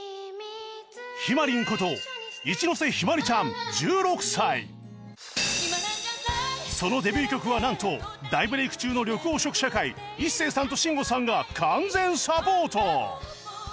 ひまりんことそのデビュー曲はなんと大ブレーク中の緑黄色社会壱誓さんと真吾さんが完全サポート